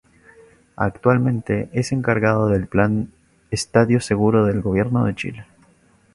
Actualmente es encargado del plan Estadio Seguro del Gobierno de Chile.